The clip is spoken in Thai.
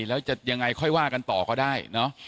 แล้วจะยังไงค่อยว่ากันต่อก็ได้เนอะ